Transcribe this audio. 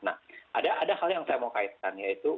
nah ada hal yang saya mau kaitkan yaitu